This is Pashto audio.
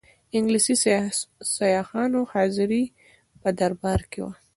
انګلیسي سیاحانو حاضري په دربار کې وه.